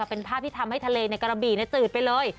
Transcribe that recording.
เป็นภาพที่ทำให้ทะเลในกระบี่จืดไปเลย